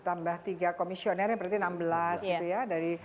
tiga belas tambah tiga komisioner berarti enam belas gitu ya